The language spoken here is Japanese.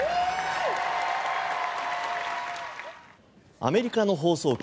アメリカの放送局